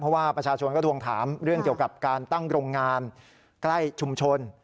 เพราะว่าประชาชนก็ทวงถามเรื่องเกี่ยวกับการตั้งโรงงานใกล้ชุมชน